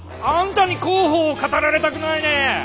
あんたに広報を語られたくないね！